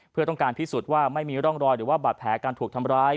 เพื่อต้องการพิสูจน์ว่าไม่มีร่องรอยหรือว่าบาดแผลการถูกทำร้าย